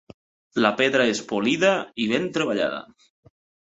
La pedra és polida i ben treballada.